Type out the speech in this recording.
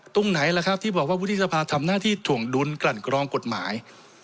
ตรงไหนล่ะครับที่บอกว่าวุฒิสภาทำหน้าที่ถ่วงดุลกลั่นกรองกฎหมาย